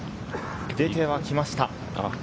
出てはきました。